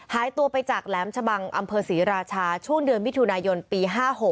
หายตัวไปจากแหลมชะบังอำเภอศรีราชาช่วงเดือนมิถุนายนปี๕๖